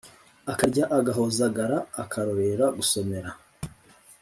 akarya agahozagara akarorera gusomera !